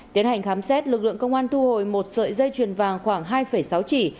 tiến hành khám xét lực lượng công an thu hồi một sợi dây chuyền vàng khoảng hai sáu trị